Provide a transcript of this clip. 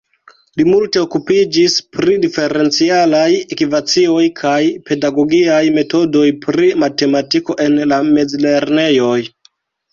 Li multe okupiĝis pri diferencialaj ekvacioj kaj pedagogiaj metodoj pri matematiko en la mezlernejoj.